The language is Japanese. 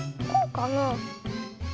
こうかな。